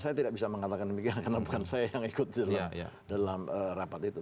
saya tidak bisa mengatakan demikian karena bukan saya yang ikut dalam rapat itu